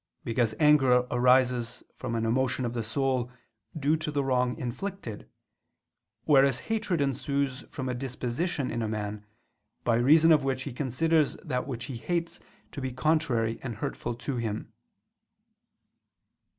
Because anger arises from an emotion of the soul due to the wrong inflicted; whereas hatred ensues from a disposition in a man, by reason of which he considers that which he hates to be contrary and hurtful to him.